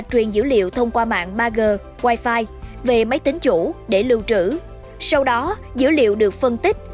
truyền dữ liệu thông qua mạng ba g wifi về máy tính chủ để lưu trữ sau đó dữ liệu được phân tích